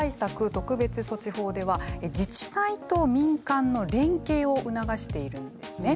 特別措置法では自治体と民間の連携を促しているんですね。